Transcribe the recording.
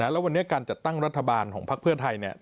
แล้ววันนี้การจัดตั้งรัฐบาลของพักเพื่อไทย